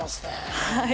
はい。